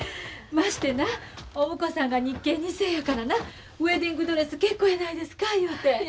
ましてなお婿さんが日系二世やからなウエディングドレス結構やないですか言うて。